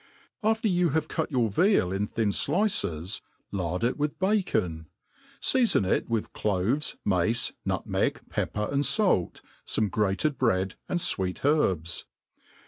AFTER you have cut your veal in thin flices, lard it wifh hacon ; feafon it with cloves, mace, nutmeg, pepper and fait, Ibme grated bread, and fweet herbs.